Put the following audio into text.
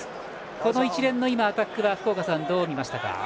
一連のアタックは福岡さん、どう見ましたか？